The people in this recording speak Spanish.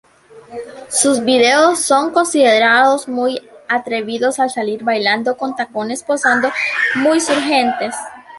Sus vídeos son considerados muy atrevidos al salir bailando con tacones posando muy sugerentes.